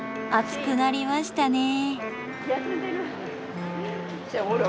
暑くなりましたね。